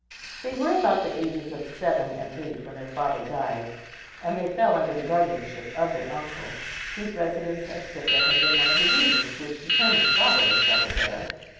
They were about the ages of seven and eight when their father died, and they fell under the guardianship of their uncle, whose residence at Sicca had been one of the reasons which determined Strabo to settle there.